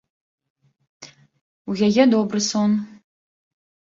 У яе добры сон.